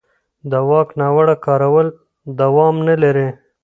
د واک ناوړه کارول دوام نه لري